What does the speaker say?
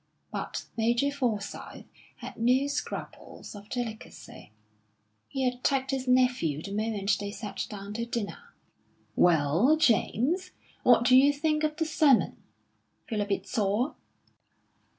But Major Forsyth had no scruples of delicacy; he attacked his nephew the moment they sat down to dinner. "Well, James, what did you think of the sermon? Feel a bit sore?"